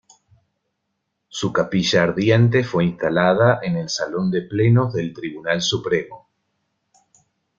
Su capilla ardiente fue instalada en el salón de plenos del Tribunal Supremo.